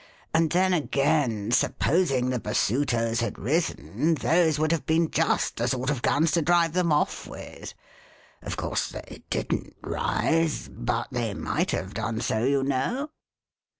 And then, again, supposing the Basutos had risen, those would have been just the sort of guns to drive them off with. Of course they didnt rise ; but they might have done so, you know."